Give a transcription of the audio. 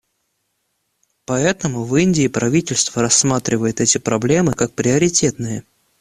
Поэтому в Индии правительство рассматривает эти проблемы как приоритетные.